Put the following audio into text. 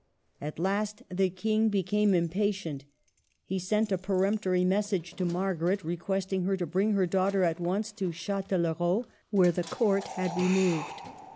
At last the King became impatient He sent a peremptory message to Margaret, requesting her to bring her daughter at once to Chatel lerault, where the Court had removed.